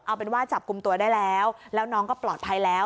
เอาเป็นว่าจับกลุ่มตัวได้แล้วแล้วน้องก็ปลอดภัยแล้ว